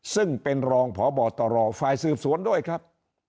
ซึ่งเป็นรองพบตรฝ่ายสืบสวนด้วยครับ